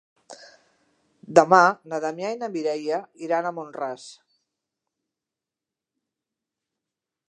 Demà na Damià i na Mireia iran a Mont-ras.